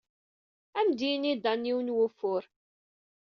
Ad am-d-yini Dan yiwen n wufur.